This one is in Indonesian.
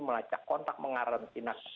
melacak kontak mengarang sinas